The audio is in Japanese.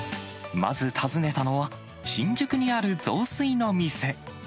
まず訪ねたのは、新宿にあるぞうすいの店。